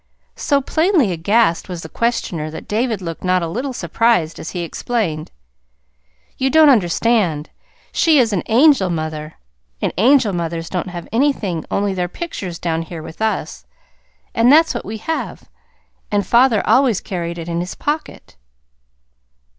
So plainly aghast was the questioner that David looked not a little surprised as he explained. "You don't understand. She is an angel mother, and angel mothers don't have anything only their pictures down here with us. And that's what we have, and father always carried it in his pocket."